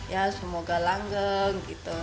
ya semoga langgeng gitu